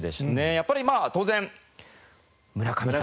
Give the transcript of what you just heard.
やっぱりまあ当然村神様。